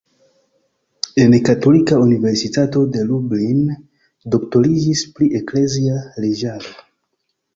En Katolika Universitato de Lublin doktoriĝis pri eklezia leĝaro.